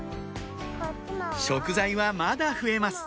食材はまだ増えます